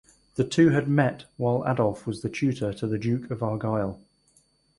The two had met while Adolph was the tutor to the Duke of Argyll.